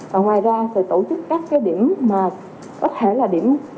và ngoài ra thì tổ chức các cái điểm mà có thể là điểm